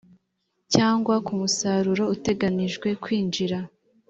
cyangwa ku musaruro uteganijwe kwinjira